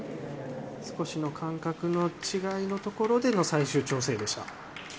少しの感覚の違いのところでの最終調整でした。